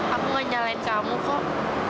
aku gak nyalain kamu kok